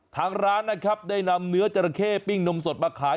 ทางร้านนะครับได้นำเนื้อจราเข้ปิ้งนมสดมาขาย